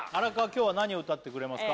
今日は何を歌ってくれますか？